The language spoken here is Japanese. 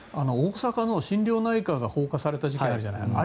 大阪の心療内科が放火された事件があるじゃない。